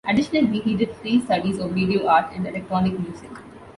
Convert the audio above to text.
Additionally he did free studies of video art and electronic music.